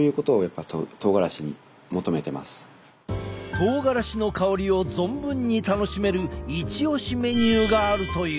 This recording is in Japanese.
とうがらしの香りを存分に楽しめるイチ推しメニューがあるという。